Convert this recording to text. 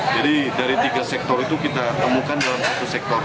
jadi dari tiga sektor itu kita temukan dalam satu sektor